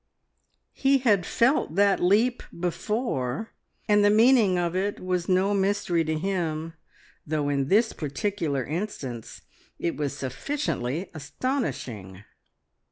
He had felt that leap before, and the meaning of it was no mystery to him, though in this particular instance it was sufficiently astonishing.